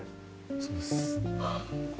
そうです。